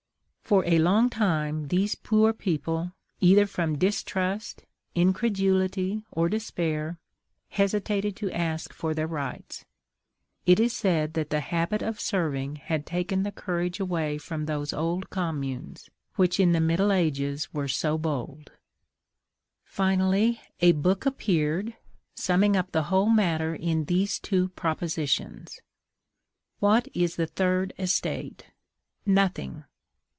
For a long time these poor people, either from distrust, incredulity, or despair, hesitated to ask for their rights: it is said that the habit of serving had taken the courage away from those old communes, which in the middle ages were so bold. Finally a book appeared, summing up the whole matter in these two propositions: WHAT IS THE THIRD ESTATE? NOTHING.